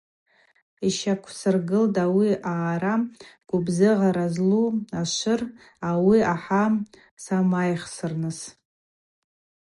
Йщаквсыргылтӏ ауи аъара гвыбзыгъара злу ашвыр ауи ахӏа самайхсхырныс.